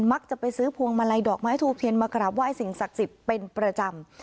มักจะไปซื้อพวงมาลัยดอกไม้ทูบเทียนมากราบไห้สิ่งศักดิ์สิทธิ์เป็นประจำ